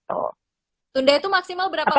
tunda itu maksimal berapa pak